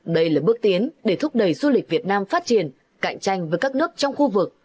đây là bước tiến để thúc đẩy du lịch việt nam phát triển cạnh tranh với các nước trong khu vực